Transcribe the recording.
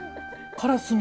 カラスミ？